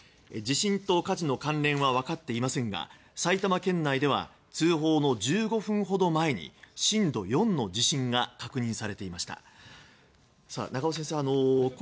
地震と火事の関連は分かっていませんが埼玉県内では通報の１５分ほど前に震度４の地震が確認されていました。